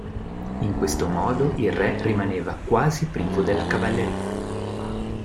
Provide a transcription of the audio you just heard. In questo modo il Re rimaneva quasi privo della cavalleria.